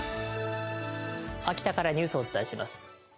秋田からニュースをお伝えします。